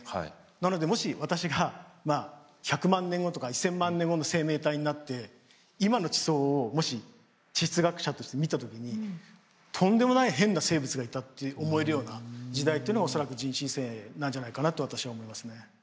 なのでもし私がまあ１００万年後とか１，０００万年後の生命体になって今の地層をもし地質学者として見た時にとんでもない変な生物がいたって思えるような時代っていうのが恐らく人新世なんじゃないかなと私は思いますね。